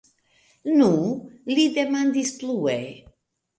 Nu? li demandis plue.